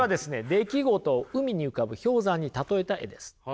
出来事を海に浮かぶ氷山に例えた絵です。